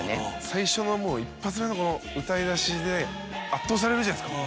最初の一発目の歌い出しで圧倒されるじゃないですか